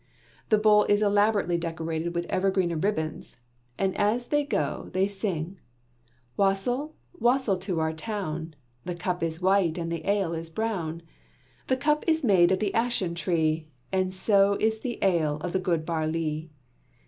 The bowl is elaborately decorated with evergreen and ribbons, and as they go they sing: "Wassail, wassail to our town, The cup is white and the ale is brown, The cup is made of the ashen tree, And so is the ale of the good barley.